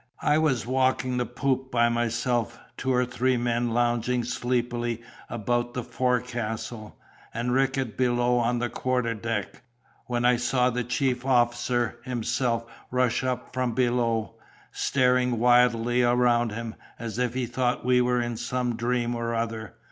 I was walking the poop by myself, two or three men lounging sleepily about the forecastle, and Rickett below on the quarter deck, when I saw the chief officer himself rush up from below, staring wildly around him, as if he thought we were in some dream or other.